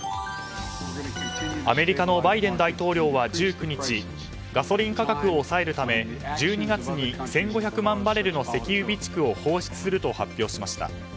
アメリカのバイデン大統領は１９日ガソリン価格を抑えるため１２月に１５００万バレルの石油備蓄を放出すると発表しました。